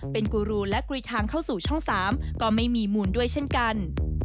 เป็นกูรูและกุยทางเข้าสู่ช่อง๓ก็ไม่มีมูลด้วยเช่นกัน